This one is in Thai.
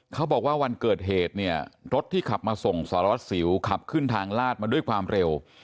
เขาบอกว่าวันเกิดเหตุเนี่ยรถที่ขับมาส่งสารวัสสิวขับขึ้นทางลาดมาด้วยความเร็ว